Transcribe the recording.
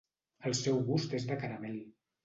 El seu gust és de caramel.